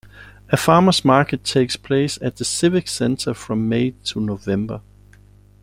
A farmer's market takes place at the Civic Centre from May to November.